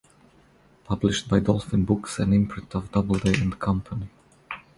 Published by Dolphin Books, an imprint of Doubleday and Company.